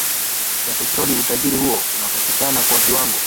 ya petroli Utajiri huo unapatikana kwa viwango